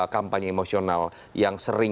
kampanye emosional yang sering